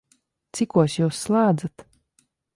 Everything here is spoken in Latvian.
Cikos Jūs slēdzat?